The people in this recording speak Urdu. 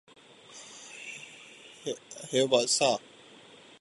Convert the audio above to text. ہؤسا